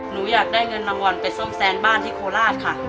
หนูอยากได้เงินรางวัลไปซ่อมแซมบ้านที่โคราชค่ะ